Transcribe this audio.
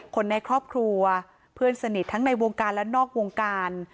คนในครอบครัวเพื่อนสนิททั้งในวงการและนอกวงการ